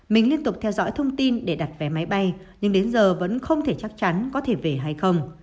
mình liên tục theo dõi thông tin để đặt vé máy bay nhưng đến giờ vẫn không thể chắc chắn có thể về hay không